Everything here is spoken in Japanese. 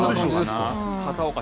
片岡